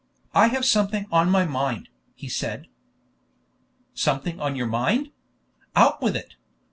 "I have something on my mind," he said. "Something on your mind? Out with it!"